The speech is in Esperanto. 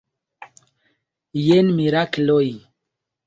Jen mirakloj!